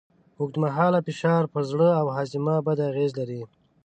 اوږدمهاله فشار پر زړه او هاضمه بد اغېز لري.